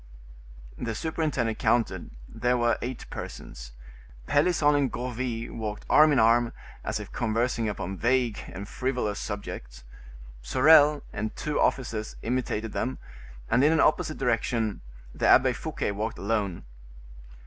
The superintendent counted; there were eight persons. Pelisson and Gourville walked arm in arm, as if conversing upon vague and frivolous subjects. Sorel and two officers imitated them, and in an opposite direction. The Abbe Fouquet walked alone.